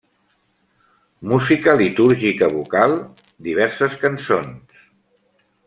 Música litúrgica vocal, diverses cançons.